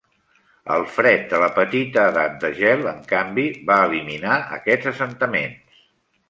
El fred de la Petita Edat de gel, en canvi, va eliminar aquests assentaments.